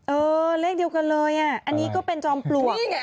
เออเลขเดียวกันเลยอ่ะอันนี้ก็เป็นจอมปลวก